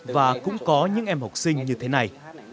và cũng có những em học sinh như thế này